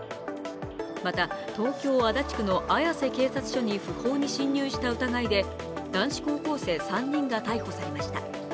また東京・足立区の綾瀬警察署に不法に侵入した疑いで男子高校生３人が逮捕されました。